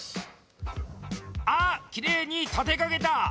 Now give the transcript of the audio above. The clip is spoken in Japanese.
あっキレイに立てかけた！